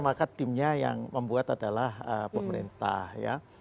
maka dimnya yang membuat adalah pemerintah ya